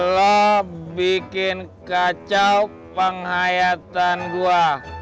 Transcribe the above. lo bikin kacau penghayatan gua